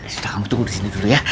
sudah kamu tunggu di sini dulu ya